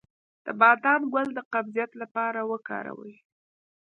د بادام ګل د قبضیت لپاره وکاروئ